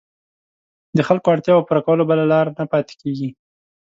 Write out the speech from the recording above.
د خلکو اړتیاوو پوره کولو بله لاره نه پاتېږي.